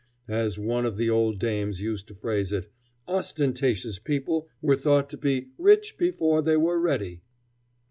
As one of the old dames used to phrase it, ostentatious people were thought to be "rich before they were ready."